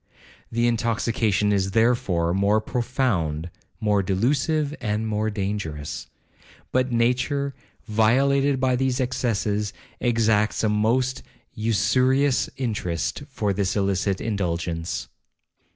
The intoxication is, therefore, more profound, more delusive, and more dangerous. But nature, violated by these excesses, exacts a most usurious interest for this illicit indulgence.